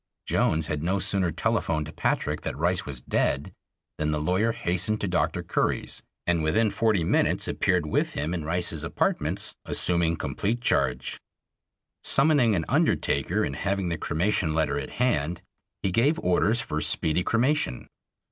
Jones had no sooner telephoned Patrick that Rice was dead than the lawyer hastened to Dr. Curry's, and within forty minutes appeared with him in Rice's apartments, assuming complete charge. Summoning an undertaker and having the cremation letter at hand, he gave orders for speedy cremation.